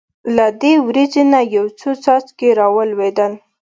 له دې وریځې نه یو څو څاڅکي را وورېدل.